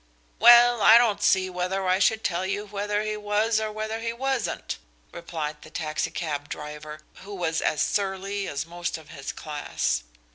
"Well, I don't see whether I should tell you whether he was or whether he wasn't," replied the taxi cab driver, who was as surly as most of his class.